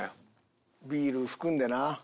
ビール含んでな。